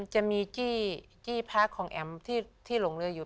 จะมีกี้พักของแอ๋มที่หลงเรืออยู่